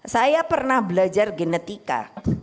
saya pernah belajar genetika